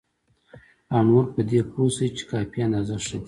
او نور په دې پوه شي چې کافي اندازه ښه دي.